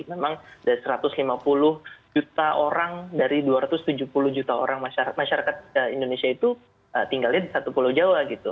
memang dari satu ratus lima puluh juta orang dari dua ratus tujuh puluh juta orang masyarakat indonesia itu tinggalnya di satu pulau jawa gitu